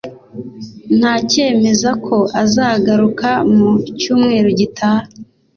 Nta cyemeza ko azagaruka mu cyumweru gitaha